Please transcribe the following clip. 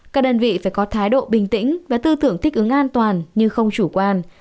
các đơn vị phải có thái độ bình tĩnh và tư tưởng thích ứng an toàn nhưng không chủ quan